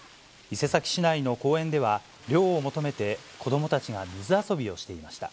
伊勢崎市内の公園では、涼を求めて子どもたちが水遊びをしていました。